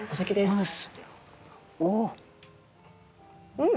うん！